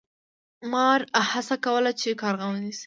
مار هڅه کوله چې کارغه ونیسي.